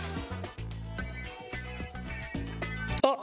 あっ！